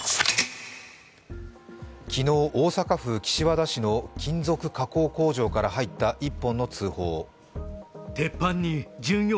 昨日、大阪府岸和田市の金属加工工場から入った一本の通報。